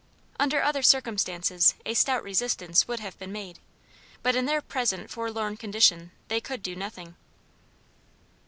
Under other circumstances a stout resistance would have been made; but in their present forlorn condition they could do nothing.